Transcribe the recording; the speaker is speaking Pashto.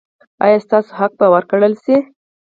ایا ستاسو حق به ورکړل شي؟